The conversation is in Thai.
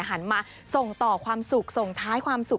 หันมาส่งต่อความสุขส่งท้ายความสุข